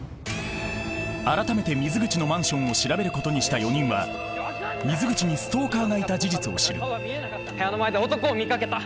改めて水口のマンションを調べることにした４人は水口にストーカーがいた事実を知る部屋の前で男を見かけた。